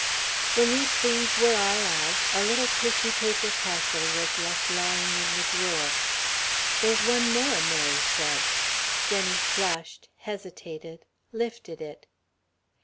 When these things were all out, a little tissue paper parcel was left lying in the drawer. "There's one more," Mary said. Jenny flushed, hesitated, lifted it.